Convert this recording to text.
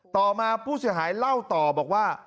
ต่อมาผู้เสียหายเล่าต่อบอกว่า